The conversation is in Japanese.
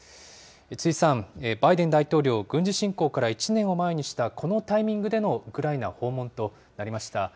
辻さん、バイデン大統領、軍事侵攻から１年を前にしたこのタイミングでのウクライナ訪問となりました。